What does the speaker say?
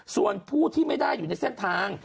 ส่วนผู้ที่ไม่ได้อยู่ในเส้นทาง